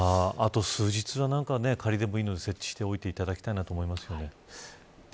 あと数日は仮でもいいので設置しておいていただきたいと思います。